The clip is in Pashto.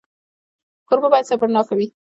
کوربه باید صبرناک وي.